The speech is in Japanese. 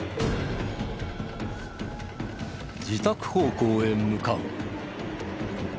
自宅方向へ向かう。